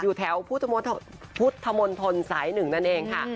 อยู่แถวพุทธมนตรสาย๑นั่นเองค่ะ